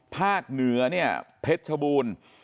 ภาคเหนือเนี่ยเพชรชบูรณ์